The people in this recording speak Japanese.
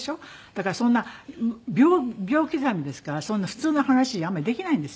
だからそんな秒刻みですからそんな普通の話あんまりできないんですよ。